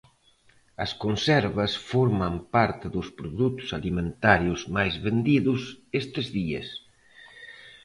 As conservas forman parte dos produtos alimentarios máis vendidos estes días.